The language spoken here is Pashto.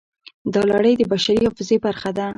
دا لړۍ د بشري حافظې برخه ده.